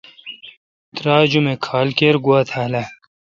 تراچ ام کھال کیر گواتھال اہ۔